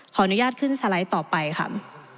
ขออนุญาตขึ้นสไลด์ต่อไปค่ะ